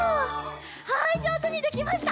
はいじょうずにできました。